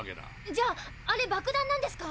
じゃああれ爆弾なんですか？